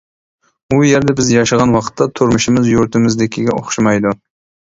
ئۇ يەردە بىز ياشىغان ۋاقىتتا تۇرمۇشىمىز يۇرتىمىزدىكىگە ئوخشىمايدۇ.